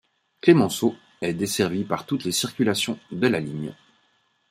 Clemenceau est desservie par toutes les circulations de la ligne.